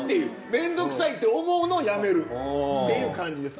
めんどくさいって思うのをやめるっていう感じです。